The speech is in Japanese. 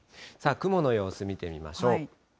雲の様子見てみましょう。